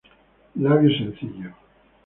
Labio sencillo.